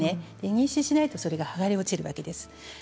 妊娠しないとそれが剥がれ落ちるわけです。